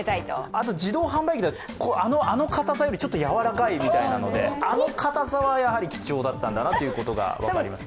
あと自動販売機だと、あのかたさよりちょっとやわらかいみたいなのであのかたさはやはり貴重だったんだなということが分かりますね。